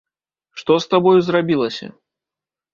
Што з табою зрабілася?